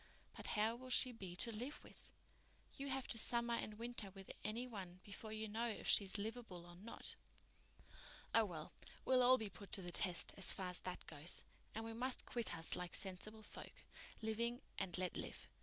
But how will she be to live with? You have to summer and winter with any one before you know if she's livable or not." "Oh, well, we'll all be put to the test, as far as that goes. And we must quit us like sensible folk, living and let live.